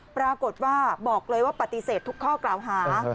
ปรากฏว่าบอกเลยว่าปฏิเสธทุกข้อกล่าวหา